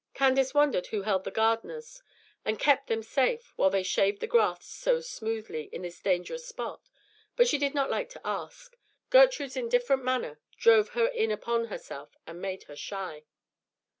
Candace wondered who held the gardeners and kept them safe while they shaved the grass so smoothly in this dangerous spot, but she did not like to ask. Gertrude's indifferent manner drove her in upon herself and made her shy.